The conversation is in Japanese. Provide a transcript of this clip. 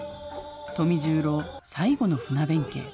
富十郎最後の船弁慶。